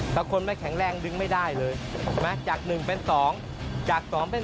ไสมัยนี่มันจะช้าไม่ได้เลยเพราะช้าเสียทั้งที